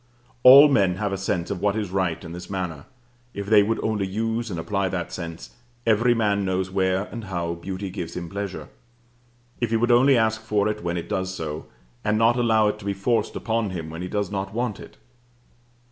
All men have sense of what is right in this manner, if they would only use and apply that sense; every man knows where and how beauty gives him pleasure, if he would only ask for it when it does so, and not allow it to be forced upon him when he does not want it.